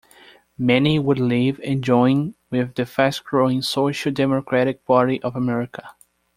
Many would leave and join with the fast-growing Social Democratic Party of America.